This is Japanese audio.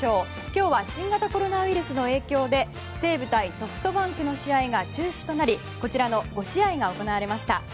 今日は新型コロナウイルスの影響で西武対ソフトバンクの試合が中止となりこちらの５試合が行われました。